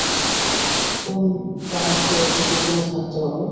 কেন দানবদের এত গোপনে থাকতে হবে?